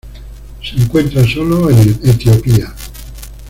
Se encuentra sólo en Etiopía.